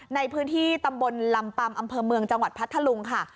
ในพื้นที่ตำบลลำปัมอำเภอเมืองจังหวัดพัทธลุงค่ะ